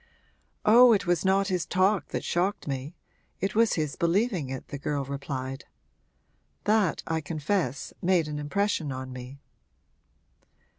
'Oh, it was not his talk that shocked me it was his believing it,' the girl replied. 'That, I confess, made an impression on me.'